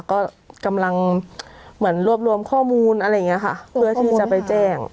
ก็กำลังเหมือนรวบรวมข้อมูลอะไรอย่างนี้ค่ะเพื่อที่จะไปแจ้ง